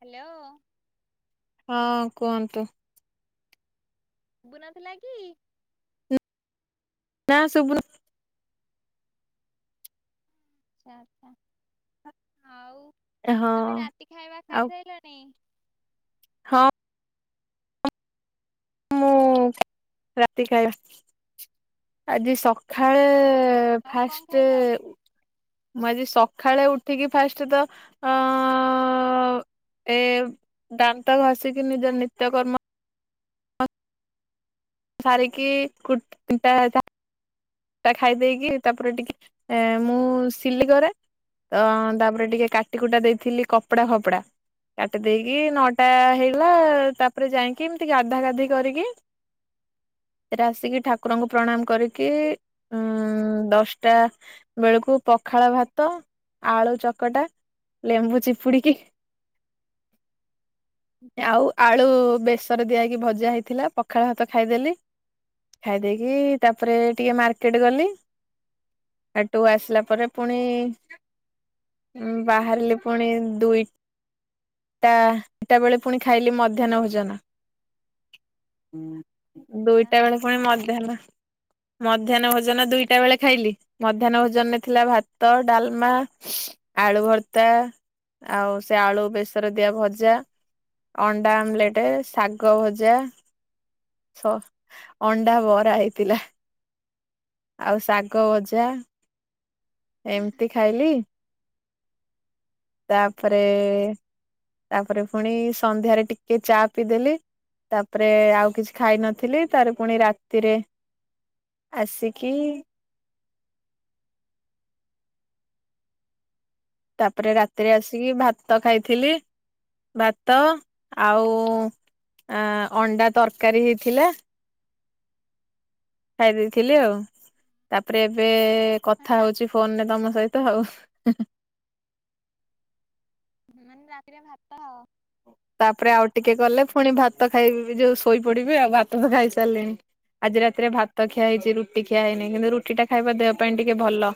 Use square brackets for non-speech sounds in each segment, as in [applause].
Hello. ହଁ କୁହନ୍ତୁ? ଶୁବୁନଥିଲା କି? ନାଁ ସୁବୁନଥ୍ ଆଛା। ଆଉ ହଁ ତମେ ରାତି ଖାଇବା ଆଉ ଖାଇ ସାଇଲଣି? ହଁ। ମୁଁ ରାତି ଖାଇବା ଆଜି ସଖାଳେ ଏ ଆଉ କଣ ଫାଷ୍ଟେ ଖାଇଲ? ଉଁ ମୁଁ ଆଜି ସଖାଳେ ଉଠିକି ଫାଷ୍ଟେତ ଅ- ଏ ଦାନ୍ତ ଘସିକି ନିଜ ନିତ୍ୟକର୍ମ- ସାରକି କୁଟ ଟା ତା ଖାଇ ଦେଇକି ତାପରେ ଟିକେ ଏ ମୁଁ ସିଲି କରେ। ତ ତାପରେ ଟିକେ କାଟି କୁଟା ଦେଇଥିଲି କପଡା ଫପଡା। କାଟି ଦେଇକି ନଅଟା ହେଇଗଲା ତାପରେ ଯାଇକି ଏମିତି ଗାଧା ଗାଧି କରିକି- [inaudible] ଆସିକି ଠାକୁରଙ୍କୁ ପ୍ରଣାମ କରିକି- ଉଁ [inaudible] ଦଶଟା ବେଳକୁ ପଖାଳ ଭାତ ଆଳୁ ଚକଟା- ଲେମ୍ବୁ ଚିପୁଡି କି- [inaudible] ଆଉ ଆଳୁ ବେଶି। ଦିଆ ହେଇକି ଭଜା ହେଇଥିଲା ପଖାଳ ହାତ ଖାଇଦେଲି। ଖାଇ ଦେଇକି ତାପରେ ଟିକେ ମା ମାରକେଟ୍ ଗଲି। ହେଟୁ ଆସିଲା ପରେ ପୁଣି- ବାହାରିଲେ ପୁଣି ଦୁଇ- ଏଟା ଏଟା ବେଳେ ପୁଣି ଖାଇଲି ମଧ୍ୟାହ୍ନ ଭୋଜନ। ଦୁଇଟା ବେଳେ ପୁଣି ମଧ୍ୟାହ୍ନ ମ ମଧ୍ୟାହ୍ନ ଭୋଜନ ଦୁଇଟା ବେଳେ ଖାଇଲି। ମଧ୍ୟାହ୍ନ ଭୋଜନରେ ଥିଲା ଭାତ, ଡାଲମା, ଆଳୁ। ଭର୍ତା ଆଉ ସେ ଆଳୁ ବେସର ଦିଆ ଭଜା। ଅଣ୍ଡା ଆମଲେଟେ ଶାଗ ଭଜା। ଅଣ୍ଡା ବରା ହେଇଥିଲା। ଆଉ ଶାଗ ଭଜା। ଏମିତି ଖାଇଲି ତାପରେ ତାପରେ ପୁଣି ସନ୍ଧ୍ୟାରେ ଟିକେ ଚା ପିଇଦେଲି। ତାପରେ ଆଉ କିଛି ଖାଇନଥିଲି ତାପରେ ପୁଣି ରାତିରେ ଆସିକି ତାପରେ ରାତିରେ ଆସିକି ଭାତ ଖାଇଥିଲି। ଭାତ ଆଉ ଅଣ୍ଡା ତରକାରୀ ହେଇଥିଲା। ଖାଇ ଦେଇଥିଲି ଆଉ ତାପରେ ଏବେ କଥା ହଉଛି ଫୋନ ରେ ତମ ସହିତ ଆଉ। ହୁ। ମାନେ ରାତିରେ ଭାତ ଆଉ। ତାପରେ ଆଉ ଟିକେ କଲେ ପୁଣି ଭାତ ଖାଇବି ଯୋଉ ଶୋଇପଡିବି ଆଉ ଭାତ ତ ଖାଇସାରିଲେଣି। ଆଜି ରାତିରେ ଭାତ ଖିଆ ହେଇଛି ରୁଟି ଖିଆ ହେଇନି କିନ୍ତୁ ରୁଟି ଟା ଖାଇବା ଦେହ ପାଇଁ ଟିକେ ଭଲ।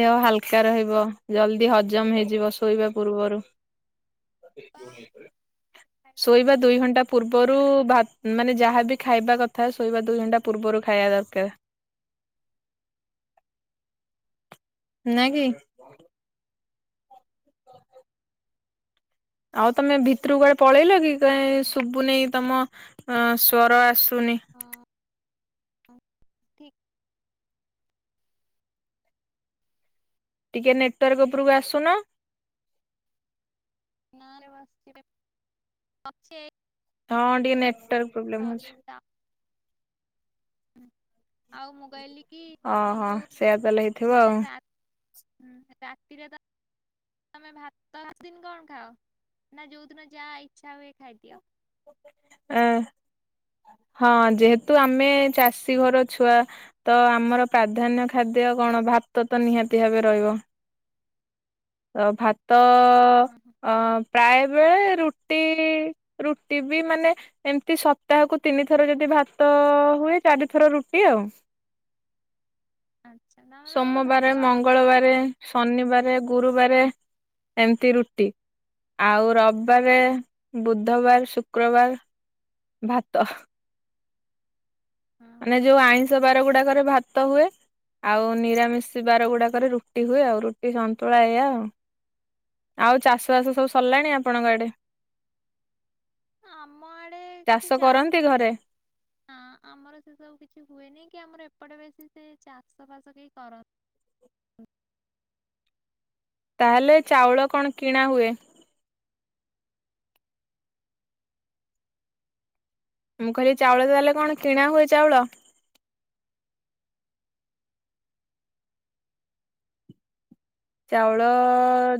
ଦେହ ହାଲ ବା ରହିବ ଜଲଦି ହଜମ ହେଇଯିବ ଶୋଇବା ପୂର୍ବରୁ ଖାଅ? ଶୋଇବା ଦୁଇ ଘଣ୍ଟା ପୂର୍ବରୁ ଭା ମାନେ ଯାହାବି ଖାଇବା କଥା ଶୋଇବା ଦୁଇ ଘଣ୍ଟା ପୂର୍ବରୁ ଖାଇବା ଦରକାର। ନାଁ କି? ଆଉ ତମେ ଭିତରକୁ କୁଆଡେ ପଳେଇଲ କି କ ଶୁବୁ ନେଇ ତମ ଅ ସ୍ଵର ଆସ? ସୁନି [unintelligible] ଟିକେ ନେଟୱାର୍କ ଉପରକୁ ଆସୁନ। [unintelligible] ହଁ ଟିକେ ନେଟୱାର୍କ ପ୍ରୋବ୍ଲେମ ହଉଛି। ଆଉ ମୁକହିଲି କି ଓହୋ ଯୋଉ ସେଇଆ ତାହେଲେ ହେଇଥିବ ମାନେ ଆଉ। [unintelligible] ହୁଁ ରାତିରେ ତ ତମେ ଭାତ ଦିନ୍ କଣ ଖାଅ? ନା ଯୋଉଦିନ ଯାହା ଇଚ୍ଛା ହୁଏ ଖାଇଦିଅ? ଏଁ ହଁ ଯେହେତୁ ଆମେ ଚାଷୀ ଘର ଛୁଆ ତ ଆମର ପ୍ରାଧାନ୍ୟ ଖାଦ୍ୟ କଣ ଭା ତ ତ ନିହାତି ଭାବେ ରହିବ। ତ ଭାତ ହଁ ଅ ହଁ ପ୍ରାୟେବେଳେ ରୁଟି ରୁଟି ବି ମାନେ ଏମତି ସତ୍ ତାହାକୁ ତିନି ଥର ଯଦି ଭାତ ହୁଏ ଚାରିଥର ରୁଟି ଆଉ। ଆଚ୍ଛା ତମେ ତମର ଭାଗ ସୋମବାରେ, ଭାଗ କରି ମଙ୍ଗଳବାରେ, ଶନିବାରେ, ଗୁ ଗୁରୁବାରେ ଏମିତି ରୁଟି। ଆଉ ରବବାରେ, ବୁଧବାର୍, ଶୁକ୍ରବାର୍ ଭାତ। ହଁ ମାନେ ହଁ ଯୋଉ ଆଇଁଷ ବାର ଗୁଡାକରେ ଭାତ ହୁଏ। ଆଉ ନିରାମିଷ ବାର ଗୁଡାକରେ ରୁଟି ହୁଏ ଆଉ ରୁଟି ସନ୍ତୁଳା ଏଇ ଆଉ ଆଉ ଚାଷ ବାସ ସବୁ ସରିଲାଣି ଆପଣଙ୍କ ଏଡେ ଆମ ଆଡେ କିଛି ଚାଷ ଘରେ ବାସ ଆମର ସବୁ କିଛି ହୁଏନି କି ଆମର ଏପଟେ ବେଶୀ ସେ ଚାଷ ବାସ କେହି କରନ୍ତି। ତାହେଲେ ଚାଉଳ କଣ କିଣା ହୁଏ। ମୁଁ କହିଲି ଚାଉଳ ତାହେଲେ କଣ କିଣା ହୁଏ ଚାଉଳ। ଚାଉଳ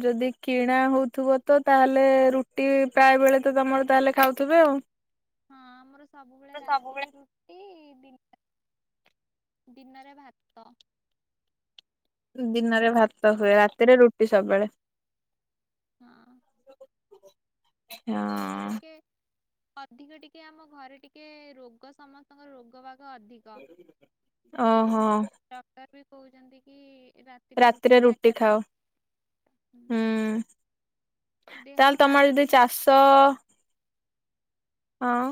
ଯଦି କିଣା ହଉଥିବ, ତ ତାହେଲେ ରୁଟି ପ୍ରାୟ ବେଳେ ତ ତମର ତାହେଲେ ଖାଉଥିବେ ଆଉ। ହଁ ଆମର ସବୁବେଳେ ରାତିରେ ରୁଟି ଦ ଦିନରେ ଭାତ। ଦିନରେ ଭାତ ହୁଏ ଆଉ ରାତିରେ ରୁଟି ସବୁବେଳେ ହଁ ହଁ। ଆମର ଟିକେ ହଁ। ଅଧିକ ଟିକେ ଆମ ଘରେ ଟିକେ ରୋଗ ସମସ୍ତଙ୍କ ରୋଗ ବା ଅଧିକ ଓହୋ ସେ ଡକ୍ଟର ବି କହୁଛନ୍ତି କି? ରାତିରେ ରୁଟି ଖାଅ, ହୁଁ। ଦେହ ତାହେଲେ ତମର କାହାର ଯଦି ଠିକ ଚାଷ ହଁ।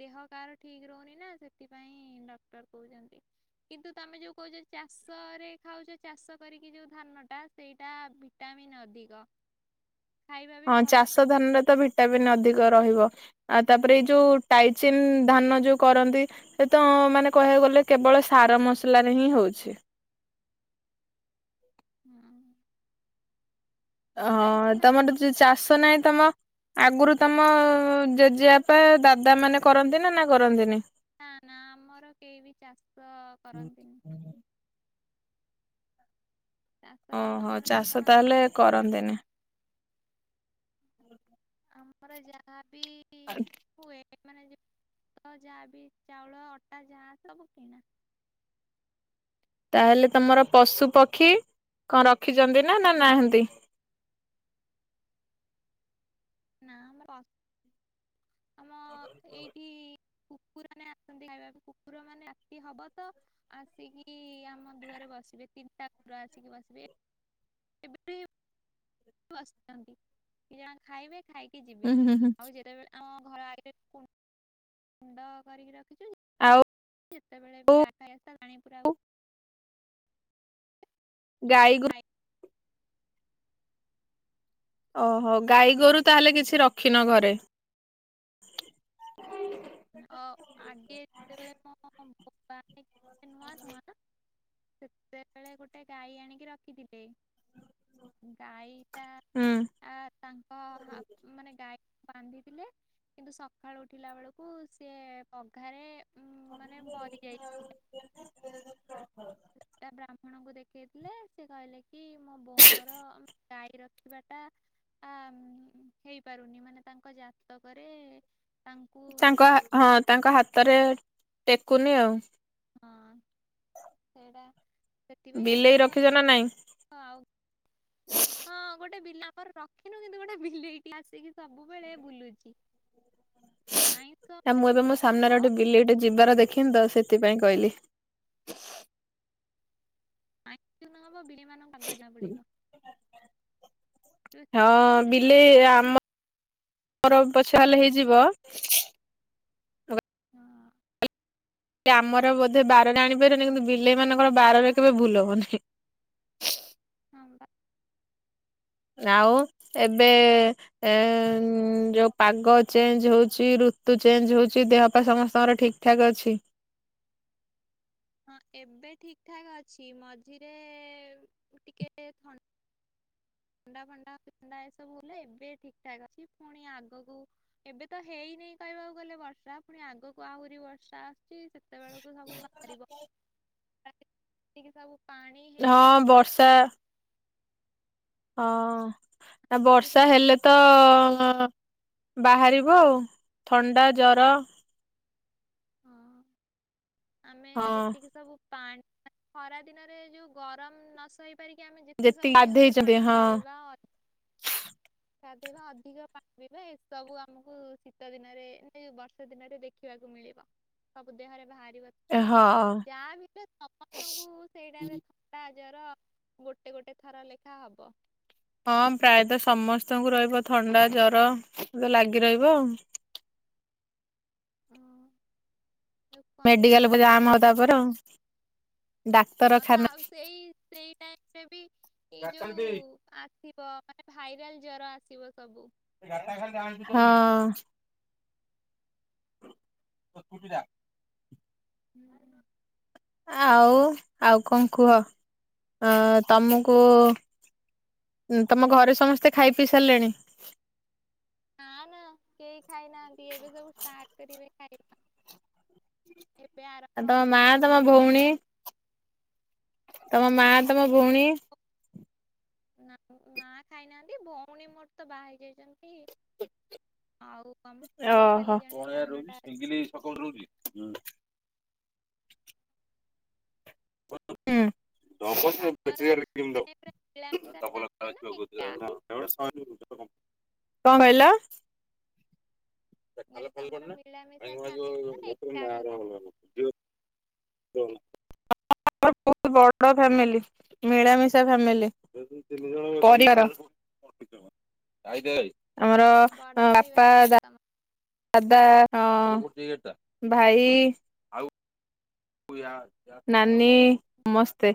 ଦେହ କାହାର ଠିକ ରହୁନି ନା ସେଥିପାଇଁ ଡକ୍ଟର କହୁଛନ୍ତି। କିନ୍ତୁ ତମେ ଯୋଉ କହୁଚ ଚାଷରେ ଖାଉଛେ ଚାଷ କରିକି ଯଉ ଧାନ ଟା ସେଇଟା ଭିଟାମିନ୍ ଅଧିକ। ହ [unintelligible] ହଁ ଚାଷ ଧାନରେ ତ ଭିଟାମିନ୍ ଅଧିକ ରହିବ ଆଉ ତାପରେ ଏଇ ଯୋଉ ଟାଇଚିନ୍ ଧାନ ଯୋଉ କରନ୍ତି। ସେ ତ ମାନେ କହିବାକୁ ଗଲେ କେବଳ ସାର ମସଲାରେ ହିଁ ହଉଛି। ହଁ। ହଁ ତମର ଯଉ ଚାଷ ନାହିଁ ତମ ଆଗରୁ ତମ ଜେଜେବାପା ଦାଦା ମାନେ କରନ୍ତି ନା ନା କରନ୍ତିନି? ନା ନା ଆମର କେହି ବି ଚାଷ କରନ୍ତିନି। ଚାଷ କାମ ଓହୋ ଆମର କେହି ଚାଷ କରନ୍ତି ତାହେଲେ କରନ୍ତି ନି। ଆମର ଯାହା ଆଉ ମାନେ ଯାହା ବି ଚାଉଳ ଅଟା ଯାହା ସବୁ କିଣା ତାହେଲେ ତମର ପଶୁ ପକ୍ଷୀ କଣ ରଖିଛନ୍ତି ନା ନାହାନ୍ତି? [unintelligible] ନା ଆମର ଆମ ଏଇଠି ଉପୁରାନ ଖାଇବା କୁକୁର ମାନେ ଆସି ହବ ତ ଆସିକି ଆମ ଦୁଆରେ ବସିବେ ତିନିଟା ପା ଆସିକି ବସିବେ, କେବେବି ବସିଥାନି ଯାହା ଖାଇବେ ଖାଇକି ଯିବେ ଉଁ ହୁଁ ହୁଁ ଆଉ ଯେତେବେଳେ ଆମ ଘର ଆଡେ ମୁଣ୍ଡ କରିକି ଆଉ ଯେତେବେଳେ ବି ପାଣି ପୁରା ଗାଈ ଗୋରୁ ଓହୋ ଗାଈ ଗୋରୁ ତାହେଲେ କିଛି ରଖିନ ଘରେ। ହଁ ଆଗେ ଯେତେବେଳେ ମୋ ଭ ନୂଆଁ ନୂଆଁ ନା ସେତେବେଳେ ଗୋଟେ ଗାଈ ଆଣିକି ରଖିଥିଲେ ଗାଈ ହୁଁ ତାଙ୍କ ମାନେ ଗାଈ ବାନ୍ଧିଥିଲେ କିନ୍ତୁ ସକାଳୁ ଉଠିଲା ବେଳକୁ ସେ ପଘାରେ ଉଁ ମାନେ ମରି ଯାଇଥିଲେ। ବ୍ରାହ୍ମ ଣଙ୍କୁ ଦେଖେଇଥିଲେ ସେ କହିଲେ କି ମୋ ବୋଉଙ୍କର ଗାଈ ରଖିବା ଟା ଆ ହେଇପାରୁନି ମାନେ ତାଙ୍କ ଜାତକରେ ତାଙ୍କୁ ତାଙ୍କ ହା ହଁ ତାଙ୍କ ହାତରେ ଟେକୁନି ଆଉ। ହଁ ସେଇଟା ସେଥିପାଇଁ ବିଲେଇ ଆମର ରଖିଛ ନା ନାଇଁ? ଆଉ ହଁ ଗୋଟେ ବିଲାପ୍ ର୍ ରଖିନୁ କିନ୍ତୁ ଗୋଟେ ବିଲେଇଟିଏ ଆସିକି ସବୁବେଳେ ବୁଲୁଚି। ନା ମୁଁ ଏବେ ମୋ ହବ ସାମ୍ନାରେ ଗୋଟେ ବିଲେଇ ଟେ ଯିବାର ଦେଖିନି ତ ସେଥିପାଇଁ କହିଲି। ଆ [unintelligible] ନହବ ବିଲେଇ ମାନଙ୍କୁ ଆଗ ଜଣା ପଡିବ। ହଁ ଯୋଉଠି ଥାଉ ଗୋଟେ ବିଲେଇ ଆସିକି ଆମ ର ପ ଚାଲେ ହେଇଯିବ ହଁ। ସେ ଆମର ବୋଧେ ବାରରେ ଆଣିପାରିବୁନି କିନ୍ତୁ ବିଲେଇମାନଙ୍କର ବାରରେ କେବେ ଭୁଲ ହବନି। [unintelligible] ଆଉ ଏବେ ଏ ଯୋଉ ପାଗ ଚେଞ୍ଜ ହଉଚି ଋ ଋତୁ ଚେଞ୍ଜ ହଉଚି ଦେହ ପା ସମସ୍ତଙ୍କର ଠିକ୍ ଠାକ୍ ଅଛି? ହଁ ଏବେ ଠିକ ଠାକ୍ ଅଛି ମଝିରେ ଟିକେ ଥଣ୍ଡ ଥଣ୍ଡା ଫଣ୍ଡା ଫଣ୍ଡା ଏସବୁ ବଲେ ଏବେ ଠିକ ଠାକ୍ ଅଛି ପୁଣି ଆଗକୁ ଏବେ ତ ହେଇ ନେଇ କହିବାକୁ ଗଲେ ବର୍ଷା ପୁଣି ଆଗକୁ ଆହୁରି ବର୍ଷା ଆସୁଚି ସେତେବେଳକୁ ସବୁ ବାହାରିବ। [unintelligible] ଟିକେ ସବୁ ପାଣି ହଁ ହେଇଛନ୍ତି ବର୍ଷା ହଁ ନା ଆମେ ଯେତିକି ବର୍ଷା ସବୁ ହେଲେ ତ ବାହାରିବ ଆଉ ଥଣ୍ଡା ଜର। ହଁ। ଆମେ ହଁ ଯେତିକି ସବୁ ପାଣି ଖରା ଦିନରେ ଯୋଉ ଗରମ ନ ସହି ସେପରିକି ଆମେ ଯେତିକି ସବୁ ଦେହରେ ଗାଧେଇଛନ୍ତି ପାଣି ହଁ ଢାଳିବା ଦେଇବା ଅଧିକ ପାଣି ପିଇବା ଏ ସବୁ ଆମକୁ ଶୀତ ଦିନରେଏ ବର୍ଷା ଦିନରେ ଦେଖିବାକୁ ମିଳ। ମିଳିବ ସବୁ ଦେହରେ ବାହାର ହଁ ଯାହା ଭିତରେ ସମସ୍ତଙ୍କୁ ସେଇ ଟାଇମ୍ ରେ ଥଣ୍ଡା ନିର ଗୋଟେ ଗୋଟେ ଥର ଲେଖା ହବ। ହଁ ପ୍ରାୟତଃ ସମସ୍ତଙ୍କୁ ରହିବ ଥଣ୍ଡା ଜରବେ ଲାଗି ରହିବ ଆଉ। ହୁଁ। ମେଡିକାଲକୁ ଯାମ୍ ଆଉ ତାପରେ ଆଉ। ହଁ ଡାକ୍ତରଖାନା ତାଉ ସେଇ ସେଇ ଟାଇମରେ ବି। ଏଇ ଯୋଉ ଆସିବ ମାନେ ଭାଇରାଲ ଜର ଆସିବ ସବୁ। ହଁ। [unintelligible] ହୁଁ ହୁଁ। ଆଉ ଆଉ କଣ କୁହ ଆ ତମକୁ ଉଁ ତମ ଘରେ ସମସ୍ତେ ଖାଇ ପିଇ ସାରିଲେଣି? ନା ନା କେହି ଖାଇନାହାନ୍ତି। ଏବେ ସବୁ ଷ୍ଟାଟ କରିବେ ଖାଇବା। ଏବେ ଆଉ ଆରମ୍ଭ ତମ ହବ ମା ତମ କେହି ବି ଖାଇ ଭଉଣୀ ତମ ମାଁ ତମ ଭଉଣୀ ନାଁ ମା ଖାଇନାହାନ୍ତି। ଭଉଣୀ ମୋର ତ ବାହା ଯାଇଚନ୍ତି। ଓହୋ। ସାନଟା ଅଛି [unintelligible] [inaudible] [unintelligible] ହୁଁ। ତମର ମାନେ ପୁରା ମିଳାମିଶା ଫ୍ୟାମିଲି ନା ଏକା? [unintelligible] କଣ କହିଲ? ଏ ମୁଁ ଖାଲ କହିଲି ଫାଲ ତମର ପ‌ଡିଲେ ମିଳାମିଶା ଫ୍ୟାମିଲି ନା ଏକା ଭାଙ୍ଗିଭୁଙ୍ଗା ଘର? ଯିବ [unintelligible] [unintelligible] ବଡ ଫ୍ୟାମିଲ ମିଳାମିଶା ଫ୍ୟାମିଲ ପରିବାର। [inaudible] ଆମର ବଡ ବାପା ପରିବାର ତାହେଲେ ଯା ତମ ଦାଦା ହଁ ଭାଇ। ନାନୀ ସମସ୍ତେ।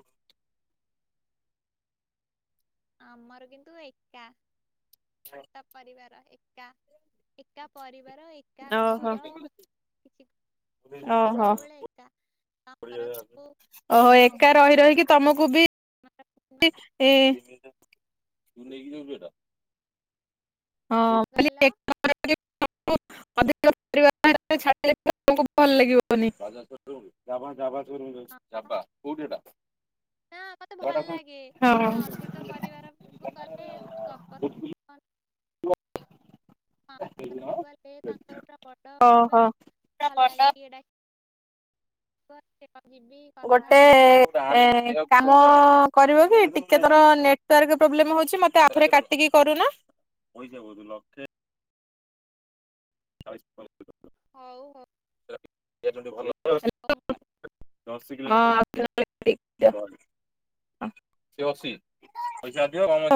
ଆମର କିନ୍ତୁ ଏକା ଛୋଟ ପରିବାର। ଏକା ଏକା ପରିବାର ଏକା ଘର କିଛି। ଓ ହୋ। ସବୁବେଳେ ଏକା ତମର ସବୁ ଓହୋ ଏକା ରହି ରହିକି ତମକୁ ବି ଟ [unintelligible] କହିଲ ହଁ [unintelligible] ଭଲ ଲାଗିବନି [unintelligible] ହଁ ଜବା ବା କଉଠିହେଇଟା। ନା ମତେ ଭଲ ଲାଗେ, ଅଧିକ ପରିବାର କ ଗଲେ, ଗ କନ୍ ର [unintelligible] ଗଲେ ତାଙ୍କର ପୁରା ଓହୋ ବଡବାର ଭଲ ଲାଗେ ଇ ଏ ଟା ହ [unintelligible] ଗୋଟେ ଏ ହଁ କହିବା କେତେ ଥର ନେଟୱର୍କ ପ୍ରୋବ୍ଲମ୍ ହାଉଛିମୋତେ ଆଉ ଥରେ କାଟିକି କରୁନ। ହୋଇଯାଉ ବୋଧେ ଲକ୍ଷେ ଚାଳିଶୀ [unintelligible] ହଉ ହଉ ଭଲ [unintelligible] ମୁଁ ହଁ [unintelligible] ସେ ଅସି ପଇସା ଦିଅ କ [unintelligible]